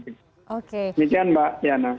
demikian mbak yana